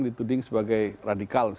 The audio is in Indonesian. dituding sebagai radikal